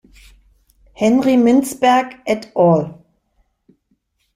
Henry Mintzberg et al.